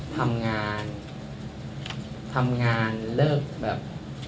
ทำงานทำงานเลิกแบบ